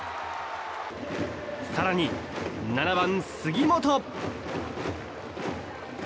更に７番、杉本。